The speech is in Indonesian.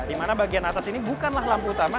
di mana bagian atas ini bukanlah lampu utama